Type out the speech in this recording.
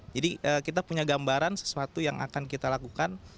kita punya gambaran sesuatu yang akan kita lakukan